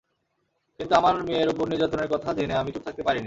কিন্তু আমার মেয়ের ওপর নির্যাতনের কথা জেনে আমি চুপ থাকতে পারিনি।